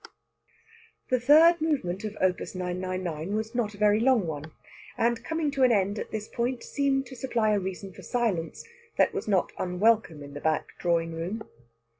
The third movement of Op. 999 was not a very long one, and, coming to an end at this point, seemed to supply a reason for silence that was not unwelcome in the back drawing room.